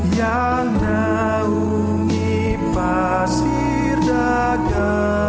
yang naungi pasir daga